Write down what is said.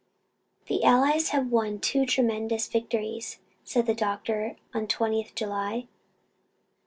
"The Allies have won two tremendous victories," said the doctor on 20th July.